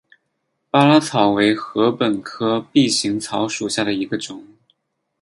巴拉草为禾本科臂形草属下的一个种。